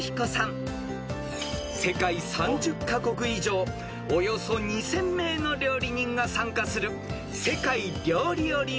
［世界３０カ国以上およそ２，０００名の料理人が参加する］